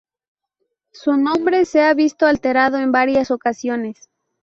Su nombre se ha visto alterado en varias ocasiones.